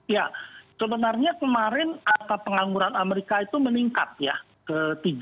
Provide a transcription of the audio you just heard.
ya sebenarnya kemarin angka pengangguran amerika itu meningkat ya ke tiga tujuh